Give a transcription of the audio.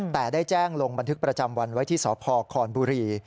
แต่ได้แจ้งลงบันทึกประจำวันไว้ที่สพคอนบุรี